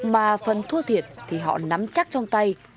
mà phần thua thiệt thì họ nắm chắc trong tay